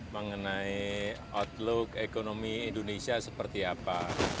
mengenai outlook ekonomi indonesia seperti apa